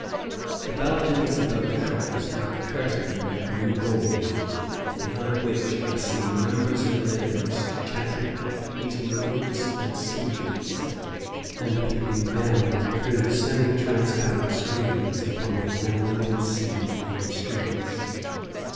The balconies above the shops are curtained with blue gauze, behind which are seen numbers of ladies, chatting, eating fruits and sweetmeats, and peeping down through the semi transparent screens upon the animated scene in the streets.